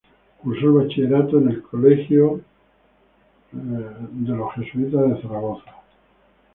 Cursó el Bachillerato en el Colegio de los Jesuitas de Zaragoza.